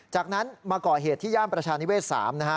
จากนั้นมาก่อเหตุที่ย่านประชานิเวศ๓นะฮะ